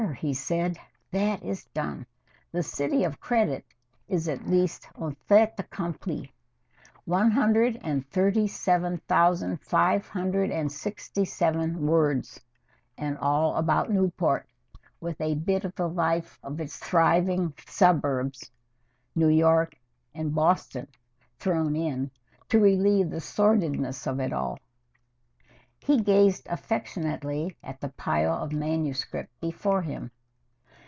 he said. "That is done. 'The City of Credit' is at last un fait accompli. One hundred and thirty seven thousand five hundred and sixty seven words, and all about Newport, with a bit of the life of its thriving suburbs, New York and Boston, thrown in to relieve the sordidness of it all." He gazed affectionately at the pile of manuscript before him.